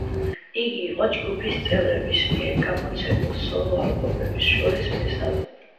იგი იყო ჯგუფის წევრების მიერ გამოცემულ სოლო-ალბომებს შორის მესამე.